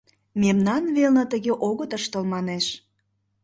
Мемнан велне тыге огыт ыштыл, манеш.